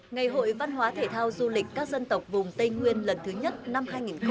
ngày hội văn hóa thể thao du lịch các dân tộc vùng tây nguyên lần thứ nhất năm hai nghìn hai mươi